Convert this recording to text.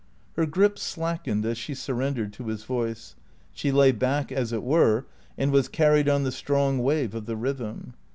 Her grip slackened as she surrendered to his voice. She lay back, as it were, and was carried on the strong wave of the rhythm.